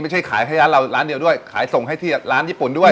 ขายแค่ร้านเราร้านเดียวด้วยขายส่งให้ที่ร้านญี่ปุ่นด้วย